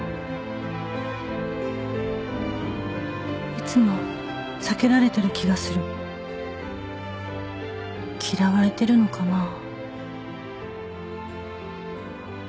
「いつも避けられてる気がする」「嫌われてるのかなぁ」